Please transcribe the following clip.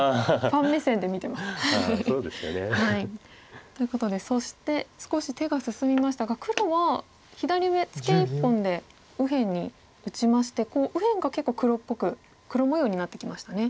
そうですよね。ということでそして少し手が進みましたが黒は左上ツケ１本で右辺に打ちまして右辺が結構黒っぽく黒模様になってきましたね。